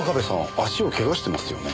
足をケガしてますよね？